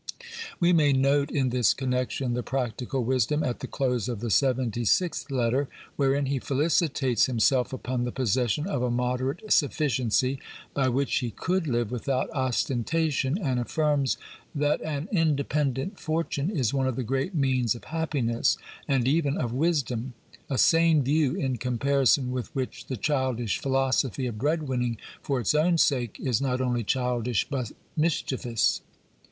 We may note in this connection the practical wisdom at the close of the seventy sixth letter, wherein he felicitates himself upon the possession of a moderate sufficiency, by which he could live without ostentation, and affirms that an independent fortune is one of the great means of happiness and even of wisdom — a sane view, in comparison with which the childish philosophy of bread winning for its own sake is not only childish but mischievous.